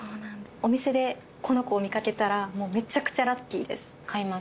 お店でこの子を見かけたらもうめちゃくちゃラッキーです買います